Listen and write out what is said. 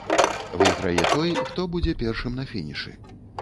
Выйграе той, хто будзе першым на фінішы.